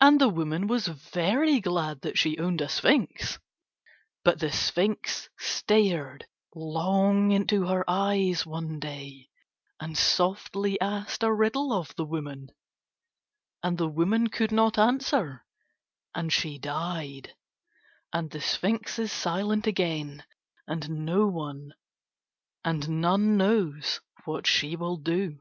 And the woman was very glad that she owned a sphinx: but the sphinx stared long into her eyes one day, and softly asked a riddle of the woman. And the woman could not answer, and she died. And the sphinx is silent again and none knows what she will do.